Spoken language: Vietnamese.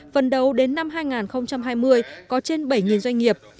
vân đấu đến năm hai nghìn hai mươi có trên bảy doanh nghiệp